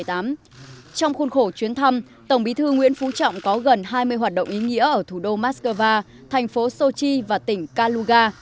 trong khuôn khổ chuyến thăm tổng bí thư nguyễn phú trọng có gần hai mươi hoạt động ý nghĩa ở thủ đô moscow thành phố sochi và tỉnh kaluga